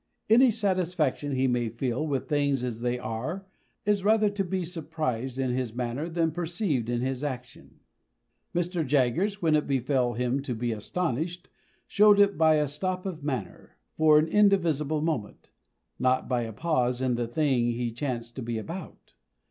Any satisfaction he may feel with things as they are is rather to be surprised in his manner than perceived in his action. Mr. Jaggers, when it befell him to be astonished, showed it by a stop of manner, for an indivisible moment not by a pause in the thing he chanced to be about.